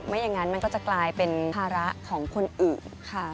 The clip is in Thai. อย่างนั้นมันก็จะกลายเป็นภาระของคนอื่นค่ะ